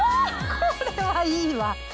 これはいいわ。